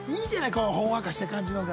こうほんわかした感じのが。